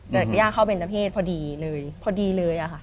แต่ยหย่างเข้าเป็นเทศพอดีเลยพอดีเลยอะค่ะ